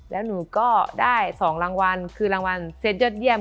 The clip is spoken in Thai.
แล้วหนูก็ได้๒รางวัลคือรางวัลเซ็ตยอดเยี่ยม